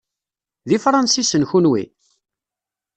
D Ifransisen, kenwi?